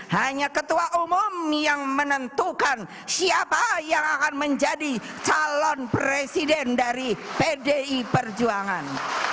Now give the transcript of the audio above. hanya ketua umum yang menentukan siapa yang akan menjadi calon presiden dari pdi perjuangan